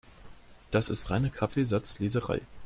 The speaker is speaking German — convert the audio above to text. Das ist reine Kaffeesatzleserei.